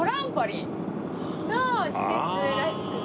の施設らしくて。